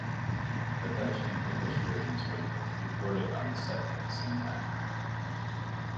The Dutch and English versions were recorded on the set at the same time.